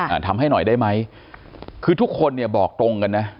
อ่าทำให้หน่อยได้ไหมคือทุกคนเนี่ยบอกตรงกันนะ